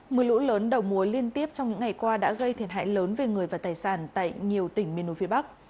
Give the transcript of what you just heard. mưa lũ lớn đầu mối liên tiếp trong những ngày qua đã gây thiệt hại lớn về người và tài sản tại nhiều tỉnh miền núi phía bắc